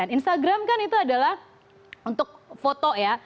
instagram kan itu adalah untuk foto ya